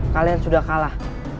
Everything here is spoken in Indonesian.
kalian sudah kalah